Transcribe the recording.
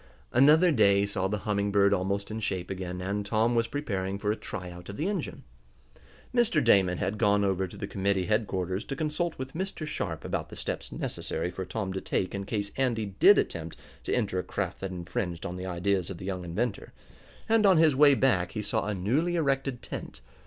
Another day saw the Humming Bird almost in shape again, and Tom was preparing for a tryout of the engine. Mr. Damon had gone over to the committee headquarters to consult with Mr. Sharp about the steps necessary for Tom to take in case Andy did attempt to enter a craft that infringed on the ideas of the young inventor, and on his way back he saw a newly erected tent.